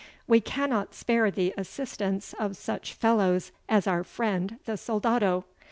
We cannot spare the assistance of such fellows as our friend the soldado.